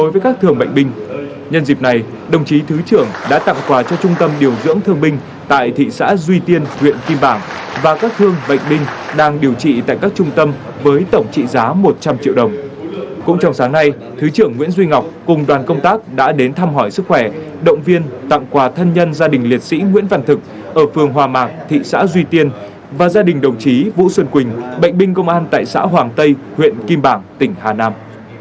vũ xuân quỳnh bệnh binh công an tại xã hoàng tây huyện kim bảng tỉnh hà nam